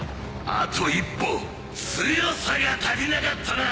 あと一歩強さが足りなかったな！